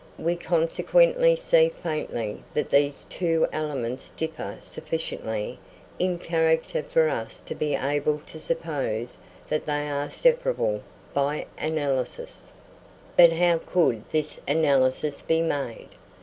We consequently see faintly that these two elements differ sufficiently in character for us to be able to suppose that they are separable by analysis. But how could this analysis be made?